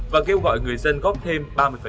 và kêu gọi người dân góp thêm ba mươi